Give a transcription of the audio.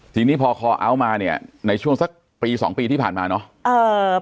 ทีนี้พอคอเอาท์มาเนี่ยในช่วงสักปี๒ปีที่ผ่านมาเนาะ